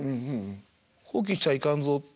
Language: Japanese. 放棄しちゃいかんぞ